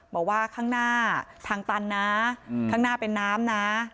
บอกว่าข้างหน้าทางตันนะข้างหน้าเป็นน้ำนะ